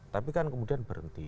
tapi kan kemudian berhenti